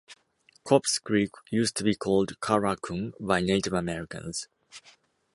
Cobbs Creek used to be called "Karakung" by Native Americans.